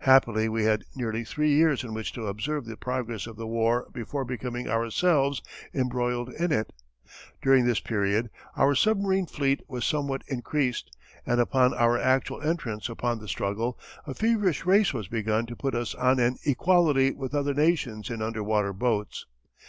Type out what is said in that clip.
Happily we had nearly three years in which to observe the progress of the war before becoming ourselves embroiled in it. During this period our submarine fleet was somewhat increased, and upon our actual entrance upon the struggle a feverish race was begun to put us on an equality with other nations in underwater boats.